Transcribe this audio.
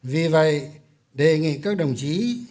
vì vậy đề nghị các đồng chí